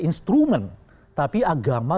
instrumen tapi agama